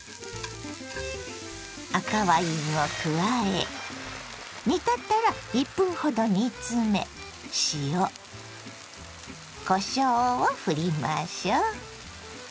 赤ワインを加え煮立ったら１分ほど煮詰め塩こしょうをふりましょう。